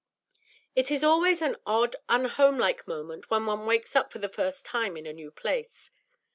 IT is always an odd, unhomelike moment when one wakes up for the first time in a new place.